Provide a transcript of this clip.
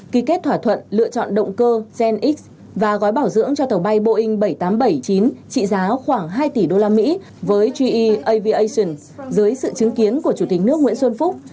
ký kết thỏa thuận lựa chọn động cơ gen x và gói bảo dưỡng cho tàu bay boeing bảy trăm tám mươi bảy chín trị giá khoảng hai tỷ đô la mỹ với ge aviation dưới sự chứng kiến của chủ tịch nước nguyễn xuân phúc